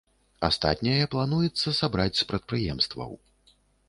Астатняе плануецца сабраць з прадпрыемстваў.